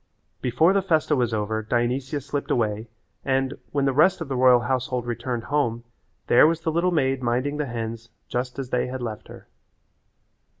Before the festa was over Dionysia slipped away, and, when the rest of the royal household returned home there was the little maid minding the hens just as they had left her.